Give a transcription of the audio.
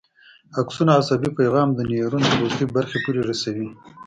اکسون عصبي پیغام د نیورون تر وروستۍ برخې پورې رسوي.